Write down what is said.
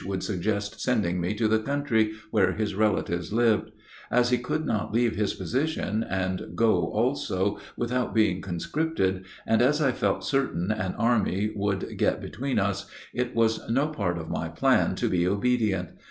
would suggest sending me to the country, where his relatives lived. As he could not leave his position and go also without being conscripted, and as I felt certain an army would get between us, it was no part of my plan to be obedient.